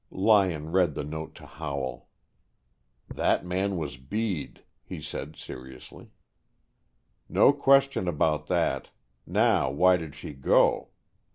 Lyon read the note to Howell. "That man was Bede," he said, seriously. "No question about that. Now, why did she go?